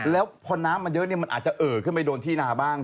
แล้วพอน้ำมันเยอะมันอาจจะเอ่อขึ้นไปโดนที่นาบ้าง